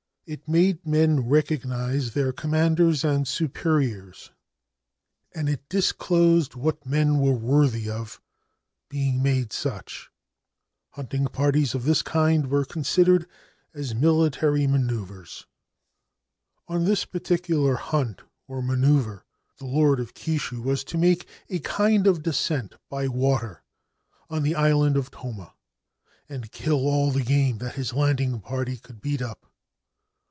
It made men recognise their commanders and superiors, and il disclosed what men were worthy of being made such, Hunting parties of this kind were considered as military manoeuvres. On this particular hunt or manoeuvre, the Lord oi Kishu was to make a kind of descent by water on the island of Toma, and kill all the game that his landing party could beat up.